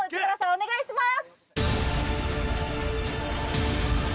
お願いします